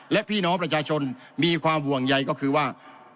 และพี่น้องประชาชนมีความห่วงใยก็คือว่า